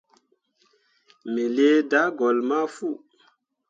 Me lii daagolle ma fu.